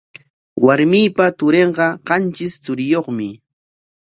Warmiipa turinqa qantris churiyuqmi.